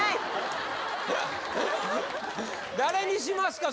誰にしますか？